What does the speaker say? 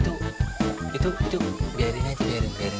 itu itu itu biarin aja biarin